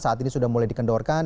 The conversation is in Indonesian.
saat ini sudah mulai dikendorkan